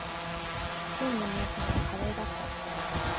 今日の夕飯はカレーだった